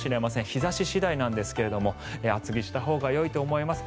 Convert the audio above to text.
日差し次第なんですが厚着したほうがよいと思います。